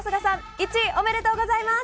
１位おめでとうございます！